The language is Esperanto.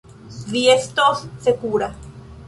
Vi estos sekura.